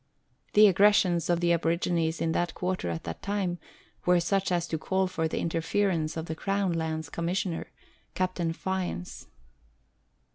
The aggressions of the aborigines in that quarter at that time were such as to call for the interference of the Crown Lands Commissioner, Captain Fyans.